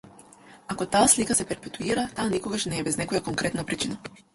Ако таа слика се перпетуира, таа никогаш не е без некоја конкретна причина.